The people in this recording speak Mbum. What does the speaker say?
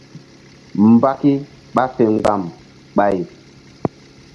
Mbaki ɓa fe mgba̧m ɓay.